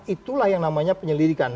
itulah yang namanya penyelidikan